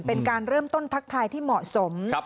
เป็นการเริ่มต้นทักทายที่เหมาะสม